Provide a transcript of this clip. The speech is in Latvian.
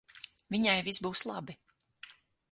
Viņai viss būs labi.